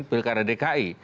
pertarungan pilih karya dki